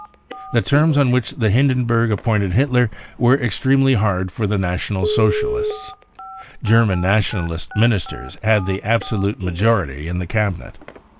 The terms on which Hindenburg* appointed Hitler were extremely hafrd for the National Socialists. German Nationalist ministers had the absolute majority in the Cabinet.